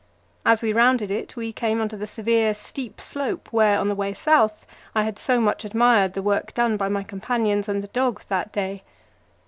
As we rounded it we came on to the severe, steep slope, where, on the way south, I had so much admired the work done by my companions and the dogs that day.